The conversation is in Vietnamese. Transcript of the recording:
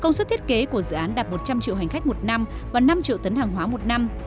công suất thiết kế của dự án đạt một trăm linh triệu hành khách một năm và năm triệu tấn hàng hóa một năm